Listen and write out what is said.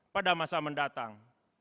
pada masa mendatang